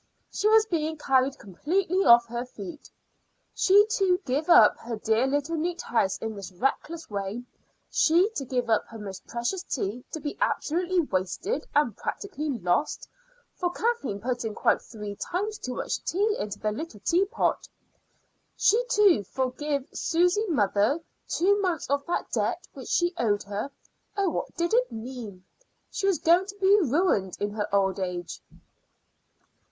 She was being carried completely off her feet. She to give up her dear little neat house in this reckless way; she to give up her most precious tea to be absolutely wasted and practically lost for Kathleen put in quite three times too much tea into the little teapot; she to forgive Susy's mother two months of that debt which she owed her. Oh, what did it mean? She was going to be ruined in her old age!